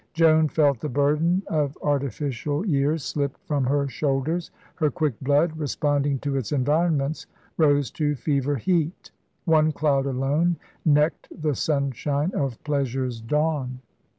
Joan felt the burden of artificial years slip from her shoulders; her quick blood, responding to its environments, rose to fever heat. One cloud alone necked the sunshine of pleasure's dawn.